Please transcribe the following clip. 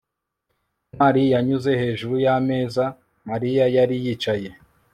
ntwali yanyuze hejuru y'ameza mariya yari yicaye